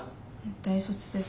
大卒です。